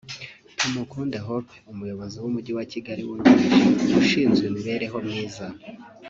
Tumukunde Hope Umuyobozi w’Umujyi wa Kigali wungirije ushinzwe imibereho myiza